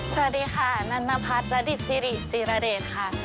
สวัสดีค่ะนนพัฒน์ระดิษฐ์ซีรีส์จีระเดชค่ะ